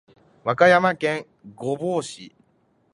和歌山県御坊市